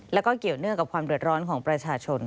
แล้วก็เกี่ยวเนื่องกับความเดือดร้อนของประชาชน